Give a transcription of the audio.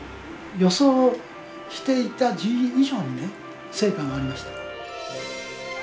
予想していた以上にね成果がありました。